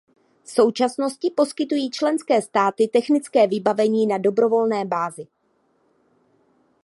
V současnosti poskytují členské státy technické vybavení na dobrovolné bázi.